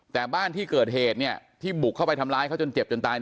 แต่บ้านที่เกิดเหตุที่บุกเข้าไปทำร้ายเขาจนเจ็บจนตาย